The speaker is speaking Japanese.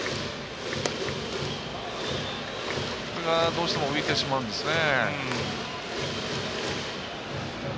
どうしても浮いてしまうんですね。